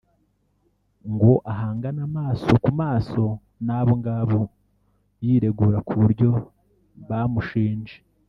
ngo ahangane amaso ku maso n’abo ngabo yiregura ku byo bamushinje